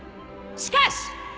しかし。